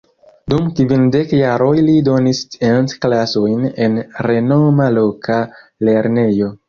Dum kvindek jaroj li donis scienc-klasojn en renoma loka lernejo.